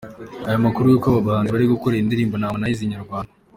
Aya makuru y'uko aba bahanzi bari gukorana indirimbo na Harmonize Inyarwanda.